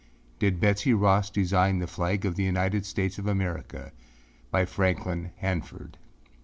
DID BETSEY ROSS DESIGN THE FLAG OF THE UNITED STATES OF AMERICA? By Franklin Hanford.